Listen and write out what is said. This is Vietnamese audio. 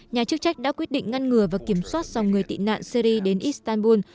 nhà chức trách đã quyết định ngăn ngừa và kiểm soát dòng người tị nạn syri đến istanbul